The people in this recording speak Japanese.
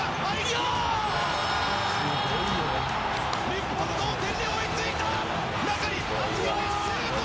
日本、同点に追いついた！